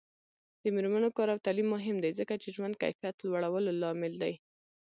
د میرمنو کار او تعلیم مهم دی ځکه چې ژوند کیفیت لوړولو لامل دی.